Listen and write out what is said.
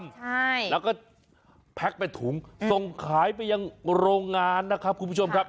ใช่แล้วก็แพ็คไปถุงส่งขายไปยังโรงงานนะครับคุณผู้ชมครับ